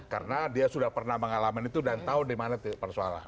karena dia sudah pernah mengalami itu dan tahu dimana persoalan